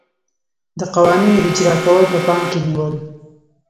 د قوانینو اجرا کول په پام کې نیول.